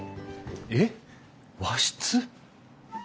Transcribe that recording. えっ和室？